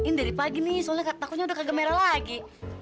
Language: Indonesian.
ini dari pagi nih soalnya takutnya udah kagak merah lagi